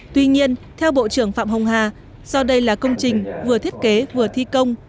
tuy nhiên theo bộ trưởng phạm hồng hà do đây là công trình vừa thiết kế vừa thi công